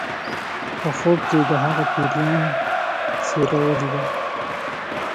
په خوب کې یې د هغه پیریان څیره ولیده